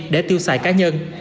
để tiêu xài cá nhân